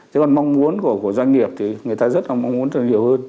chứ còn mong muốn của doanh nghiệp thì người ta rất là mong muốn được nhiều hơn